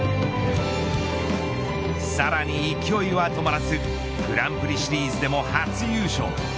さらに勢いは止まらずグランプリシリーズでも初優勝。